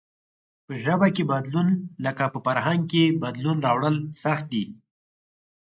په ژبه کې بدلون لکه په فرهنگ کې بدلون راوړل سخت دئ.